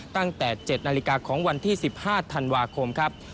ตั้งแต่๗นาฬิกาของวันที่๑๕ธันวาคมครับ